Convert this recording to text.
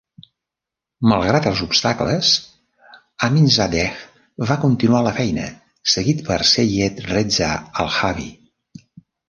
Malgrat els obstacles, Aminzadeh va continuar la feina, seguit per Seyed Reza Akhavi.